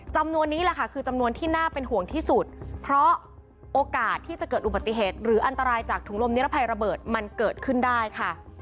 จำนวนนี้แหละค่ะคือจำนวนที่น่าเป็นห่วงที่สุดเพราะโอกาสที่จะเกิดอุบัติเหตุหรืออันตรายจากถุงลมนิรภัยระเบิดมันเกิดขึ้นได้ค่ะ